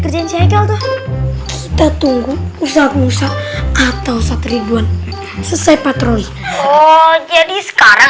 kerjain segel tuh kita tunggu usah usah atau satribuan selesai patroli oh jadi sekarang